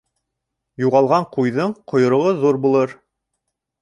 Юғалған ҡуйҙың ҡойроғо ҙур булыр.